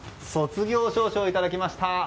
卒業証書をいただきました。